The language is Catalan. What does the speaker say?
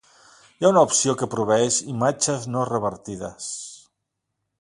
Hi ha una opció que proveeix imatges no revertides.